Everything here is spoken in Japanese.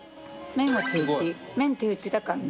麺は手打ち麺手打ちだからね。